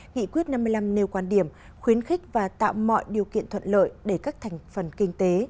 nghị quyết năm mươi năm nêu quan điểm khuyến khích và tạo mọi điều kiện thuận lợi để các thành phần kinh tế